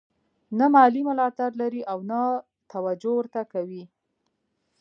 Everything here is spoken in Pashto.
نه مالي ملاتړ لري او نه توجه ورته کوي.